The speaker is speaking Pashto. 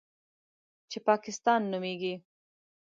چې پاکستان نومېږي.